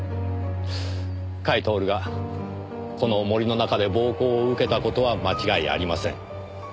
甲斐享がこの森の中で暴行を受けた事は間違いありません。